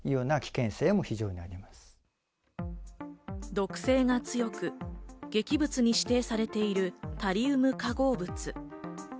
毒性が強く、劇物に指定されているタリウム化合物。